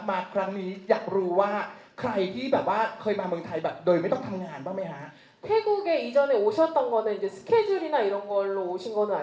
มาครั้งนี้อยากรู้ว่าใครที่แบบว่าเคยมาเมืองไทยแบบโดยไม่ต้องทำงานบ้างไหมฮะ